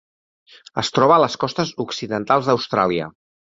Es troba a les costes occidentals d'Austràlia.